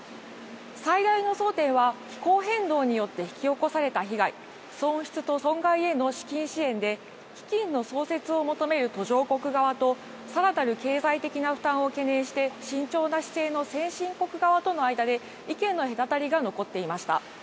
最大の争点は気候変動によって引き起こされた被害、損失と損害への資金支援で基金の創設を求める途上国側とさらなる経済的な負担を懸念して慎重な姿勢の先進国側との間で意見の隔たりが残っていました。